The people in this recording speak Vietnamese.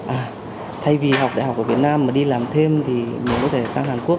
à thay vì học đại học của việt nam mà đi làm thêm thì mới có thể sang hàn quốc